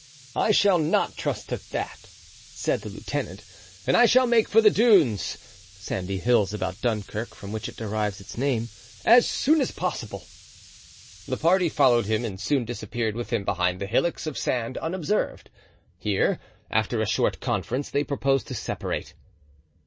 "I shall not trust to that," said the lieutenant, "and I shall make for the Dunes* as soon as possible." * Sandy hills about Dunkirk, from which it derives its name. The party followed him and soon disappeared with him behind the hillocks of sand unobserved. Here, after a short conference, they proposed to separate.